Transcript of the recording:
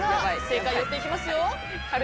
正解寄っていきますよ。